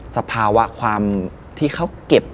สภาวะความที่เขาเก็บ